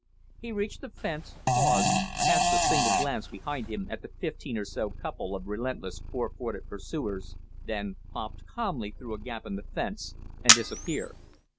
He reached the fence, paused, cast a single glance behind him at the fifteen or so couple of relentless four footed pursuers, then popped calmly through a gap in the fence, and disappeared.